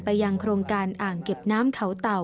ยังโครงการอ่างเก็บน้ำเขาเต่า